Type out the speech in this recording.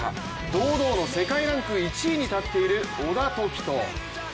堂々の世界ランク１位に立っている、小田凱人。